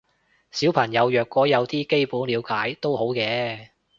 小朋友若果有啲基本了解都好嘅